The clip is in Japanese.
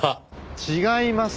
違います。